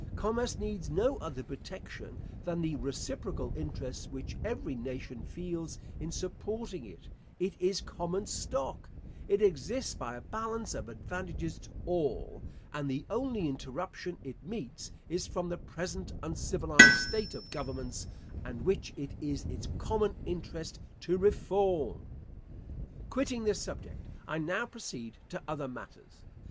Commerce needs no other protection than the reciprocal interest which every nation feels in supporting it it is common stock it exists by a balance of advantages to all; and the only interruption it meets, is from the present uncivilised state of governments, and which it is its common interest to reform.* Quitting this subject, I now proceed to other matters.